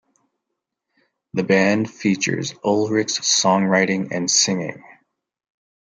The band features Ullrich's songwriting and singing.